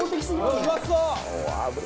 「うまそう！」